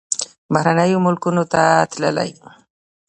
بهرنیو ملکونو ته تللی.